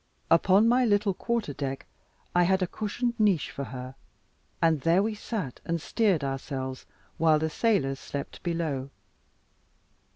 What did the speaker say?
Upon my little quarter deck I had a cushioned niche for her, and there we sat and steered ourselves while the sailors slept below.